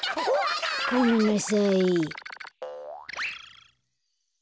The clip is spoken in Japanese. ごめんなさい。